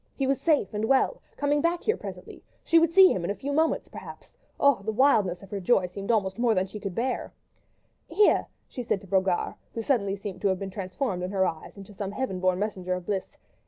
He was safe and well, was coming back here presently, she would see him in a few moments perhaps. ... Oh! the wildness of her joy seemed almost more than she could bear. "Here!" she said to Brogard, who seemed suddenly to have been transformed in her eyes into some heaven born messenger of bliss.